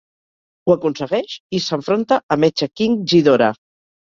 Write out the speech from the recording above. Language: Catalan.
Ho aconsegueix, i s'enfronta a Mecha-King Ghidorah.